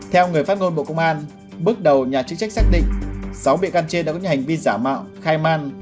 theo người phát ngôn bộ công an bước đầu nhà chức trách xác định sáu bị can trên đã có những hành vi giả mạo khai man